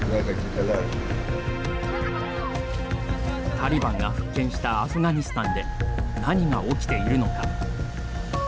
タリバンが復権したアフガニスタンで何が起きているのか。